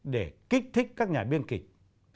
để kích thích các nhà biên kịch